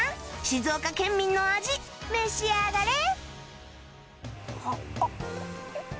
静岡県民の味召し上がれ